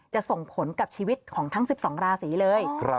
ส่งผลกับชีวิตของทั้ง๑๒ราศีเลย